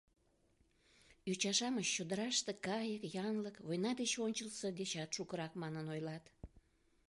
Йоча-шамыч, чодыраште кайык, янлык война деч ончылсо дечат шукырак, манын ойлат.